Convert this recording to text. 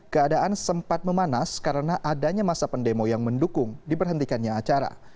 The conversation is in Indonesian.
keadaan sempat memanas karena adanya masa pendemo yang mendukung diberhentikannya acara